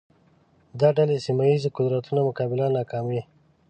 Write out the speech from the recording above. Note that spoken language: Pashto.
دا ډلې سیمه ییزو قدرتونو مقابله ناکامې